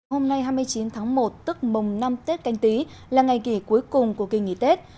hôm nay hai mươi chín tháng một tức mùng năm tết canh tí là ngày kỳ cuối cùng của kỳ nghỉ tết